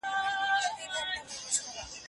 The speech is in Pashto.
بې سوادي د ټولنې د وروسته پاتې کیدو لامل دی.